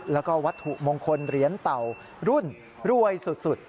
แล้วก็วัตถุมงคลเหรียญเต่ารุ่นรวยสุด